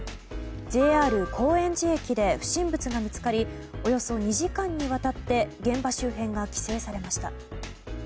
ＪＲ高円寺駅で不審物が見つかりおよそ２時間にわたって現場周辺が規制されました。